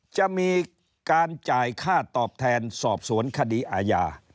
จะมีการจ่ายค่าตอบแทนสอบสวนคดีอาญา